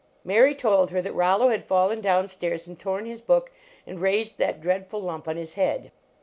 Mary told her that Rollo had fallen down stairs and torn his book and raised that dreadful lump on his head.